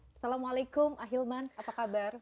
assalamualaikum ahilman apa kabar